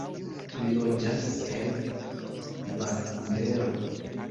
Li loĝas en Vankuvero.